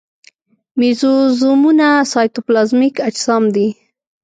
مېزوزومونه سایتوپلازمیک اجسام دي.